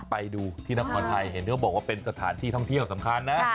ไปดูที่นครไทยเห็นเขาบอกว่าเป็นสถานที่ท่องเที่ยวสำคัญนะ